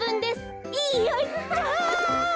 やった。